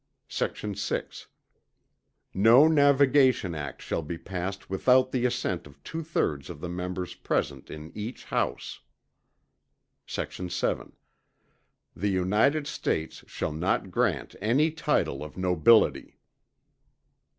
Sect. 6. No navigation act shall be passed without the assent of two thirds of the members present in each House. Sect. 7. The United States shall not grant any title of nobility.